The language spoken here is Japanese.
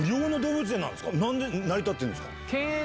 何で成り立ってるんですか？